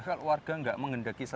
kalau warga nggak mengendaki saya